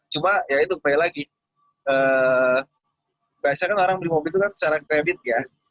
cuma ya itu kembali lagi biasanya kan orang beli mobil itu kan secara kredit ya